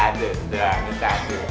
haikal menang lagi